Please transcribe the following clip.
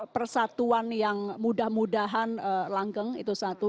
persatuan yang mudah mudahan langgeng itu satu